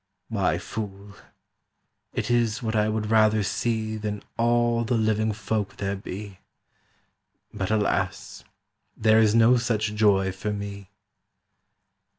"Why, fool, it is what I would rather see Than all the living folk there be; But alas, there is no such joy for me!"